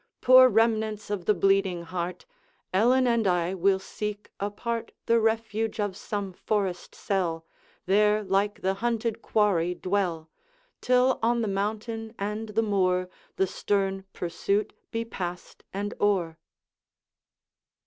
Poor remnants of the Bleeding Heart, Ellen and I will seek apart The refuge of some forest cell, There, like the hunted quarry, dwell, Till on the mountain and the moor The stern pursuit be passed and o'er,' XXX.